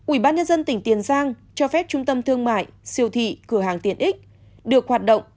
ubnd tỉnh tiền giang cho phép trung tâm thương mại siêu thị cửa hàng tiện ích được hoạt động